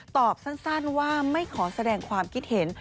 ตอบสั้นว่าไม่ขอแสดงความคิดเห็น